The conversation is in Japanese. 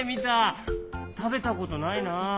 たべたことないなあ。